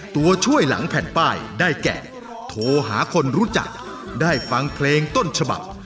ตัวช่วยหลังแผ่นป้ายได้แก่โทรหาคนรู้จักได้ฟังเพลงต้นฉบับ